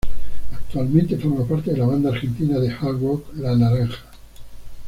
Actualmente forma parte de la banda argentina de hard rock La Naranja.